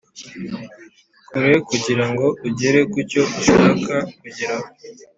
kure kugira ngo ugere ku cyo ushaka kugeraho.